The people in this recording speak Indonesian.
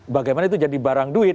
bagaimana itu jadi barang duit